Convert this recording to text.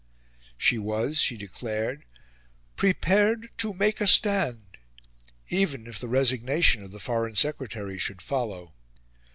She was, she declared, "prepared to make a stand," even if the resignation of the Foreign Secretary should follow.